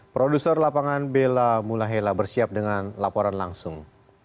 produser lapangan bella mulahela bersiap dengan laporan langsung